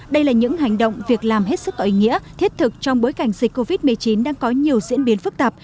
đây là những hành động việc làm hết sức có ý nghĩa thiết thực trong bối cảnh dịch covid một mươi chín đang có nhiều diễn biến phức tạp